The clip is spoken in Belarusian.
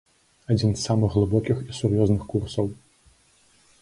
Адзін з самых глыбокіх і сур'ёзных курсаў.